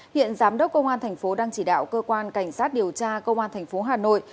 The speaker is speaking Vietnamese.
hiện giám đốc công an thành phố đang chỉ đạo cơ quan cảnh sát điều tra công an thành phố hà nội